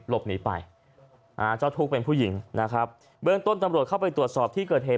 หลบหนีไปเจ้าทุกข์เป็นผู้หญิงนะครับเบื้องต้นตำรวจเข้าไปตรวจสอบที่เกิดเหตุ